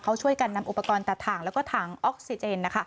เขาช่วยกันนำอุปกรณ์ตัดถ่างแล้วก็ถังออกซิเจน